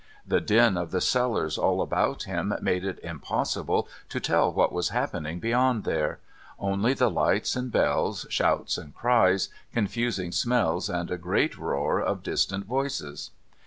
The din of the sellers all about him made it impossible to tell what was happening beyond there; only the lights and bells, shouts and cries, confusing smells, and a great roar of distant voices.